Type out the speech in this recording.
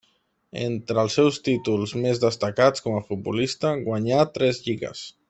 Entre els seus títols més destacats com a futbolista guanyà tres lligues.